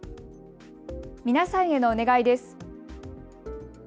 皆さんへのお願いです。